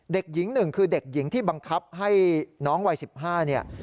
เด็กหญิงหนึ่งคือเด็กหญิงที่บังคับให้น้องวัย๑๕เนี่ย